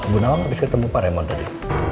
bu nawang abis ketemu pak raymond tadi